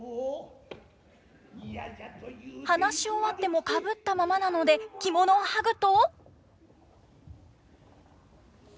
話し終わってもかぶったままなので着物をはぐと。